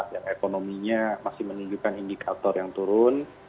dan ekonominya masih menunjukkan indikator yang turun